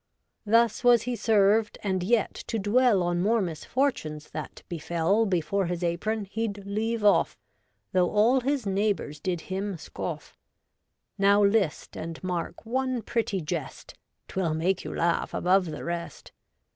Thus was he served, and yet to dwell On more misfortunes that befell Before his apron he'd leave off, Though all his neighbours did him scoff. Now list and mark one pretty jest, 'Twill make you laugh above the rest.